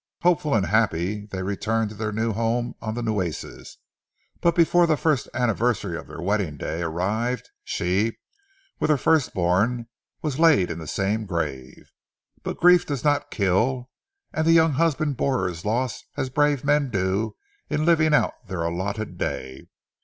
Hopeful and happy they returned to their new home on the Nueces, but before the first anniversary of their wedding day arrived, she, with her first born, were laid in the same grave. But grief does not kill, and the young husband bore his loss as brave men do in living out their allotted day.